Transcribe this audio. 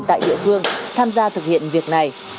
tại địa phương tham gia thực hiện việc này